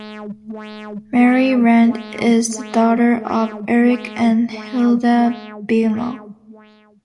Mary Rand is the daughter of Eric and Hilda Bignal.